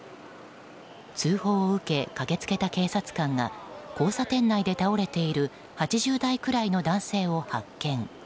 通報を受け駆けつけた警察官が交差点内で倒れている８０代くらいの男性を発見。